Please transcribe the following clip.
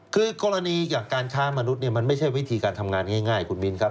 คือกรณีจากการค้ามนุษย์มันไม่ใช่วิธีการทำงานง่ายคุณมินครับ